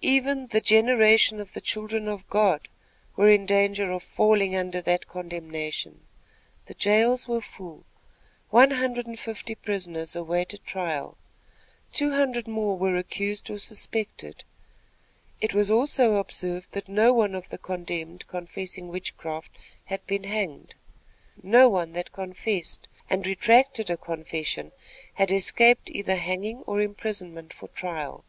Even "the generation of the children of God" were in danger of "falling under that condemnation." The jails were full. One hundred and fifty prisoners awaited trial, two hundred more were accused or suspected. It was also observed that no one of the condemned confessing witchcraft had been hanged. No one that confessed, and retracted a confession, had escaped either hanging or imprisonment for trial.